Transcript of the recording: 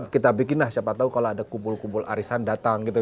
kita bikinlah siapa tahu kalau ada kumpul kumpul arisan datang gitu